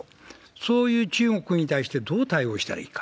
そういう中国に対して、どう対応したらいいか。